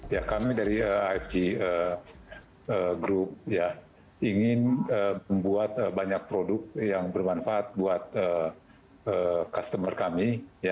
ya kami dari ifg group ingin membuat banyak produk yang bermanfaat buat customer kami